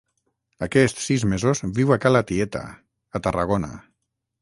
Aquests sis mesos viu a ca la tieta, a Tarragona.